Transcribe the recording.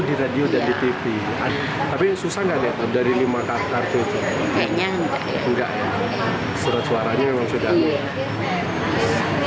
ini memang sudah